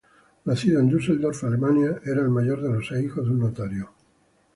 Nacido en Düsseldorf, Alemania, era el mayor de los seis hijos de un notario.